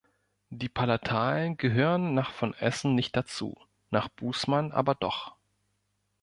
Die Palatalen gehören nach von Essen nicht dazu, nach Bußmann aber doch.